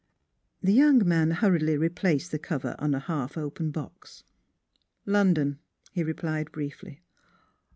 " The young man hurriedly replaced the cover on a half open box. " London," he replied briefly.